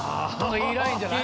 いいラインじゃない？